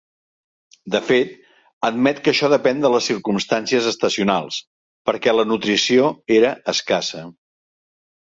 De fet, admet que això depèn de les circumstàncies estacionals, perquè la nutrició era escassa.